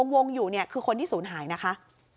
วงอยู่คือคนที่สูญหายนะคะ